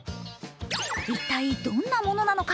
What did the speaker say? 一体どんなものなのか。